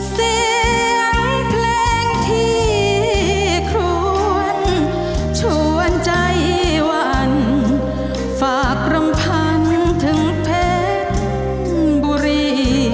เสียงเพลงที่ควรชวนใจวันฝากรำพันถึงเพชรบุรี